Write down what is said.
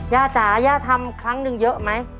จ๋าย่าทำครั้งหนึ่งเยอะไหม